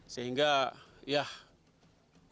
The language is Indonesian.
sehingga ya usaha kita